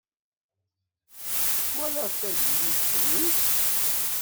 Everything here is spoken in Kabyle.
Twalaḍ tagellidt-nni?